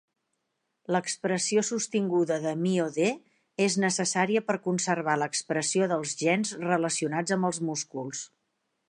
L'expressió sostinguda de MyoD és necessària per conservar l'expressió dels gens relacionats amb els músculs.